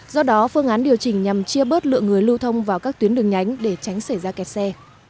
do đó phương án điều chỉnh nhằm chia bớt lượng người lưu thông vào các tuyến đường nhánh để tránh xảy ra kẹt xe